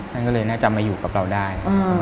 ท่านก็เลยน่าจะมาอยู่กับเราได้